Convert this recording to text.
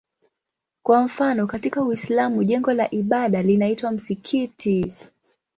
Kwa mfano katika Uislamu jengo la ibada linaitwa msikiti.